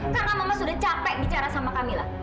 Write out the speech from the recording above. karena mama sudah capek bicara sama kamila